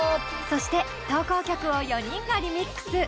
そして投稿曲を４人がリミックス！